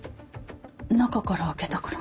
中から開けたから。